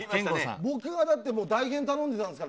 僕は代返を頼んでたんですから。